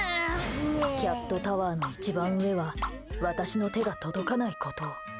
キャットタワーの一番上は私の手が届かないことを。